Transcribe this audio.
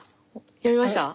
読みました。